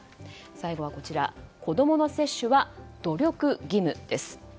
最後は子供の接種は努力義務です。